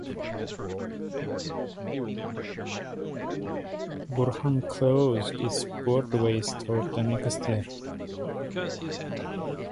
Gorham closed its Broadway store the next year.